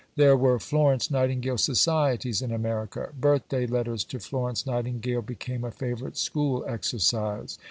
There were "Florence Nightingale Societies" in America. "Birthday letters to Florence Nightingale" became a favourite school exercise.